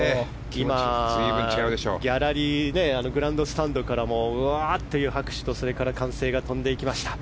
今、ギャラリーグランドスタンドからもワーッという拍手と歓声が飛んでいきました。